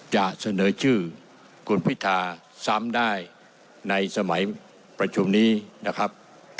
จะเสนอชื่อคุณพิธาซ้ำได้ในสมัยประชุมนี้นะครับ